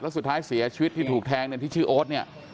แล้วสุดท้ายเสียชีวิตที่ถูกแทงที่ชื่อโอ๊ต